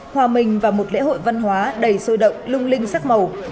hòa mình vào một lễ hội văn hóa đầy sôi động lung linh sắc màu